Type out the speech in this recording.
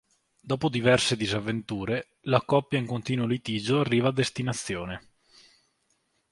Dopo diverse disavventure, la coppia in continuo litigio arriva a destinazione.